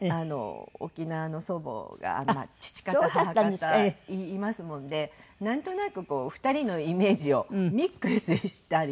沖縄の祖母が父方母方いますもんでなんとなく２人のイメージをミックスしたりして。